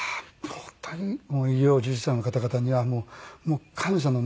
本当に医療従事者の方々には感謝の。